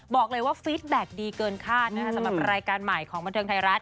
บอกเลยว่าฟีดแบ็คดีเกินคาดนะคะสำหรับรายการใหม่ของบันเทิงไทยรัฐ